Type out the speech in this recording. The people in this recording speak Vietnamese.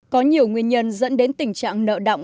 có nhiều nguyên nhân dẫn đến tình trạng nợ động